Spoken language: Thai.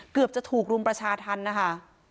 เกือบจะถูกรุมประชาธรรมนะคะ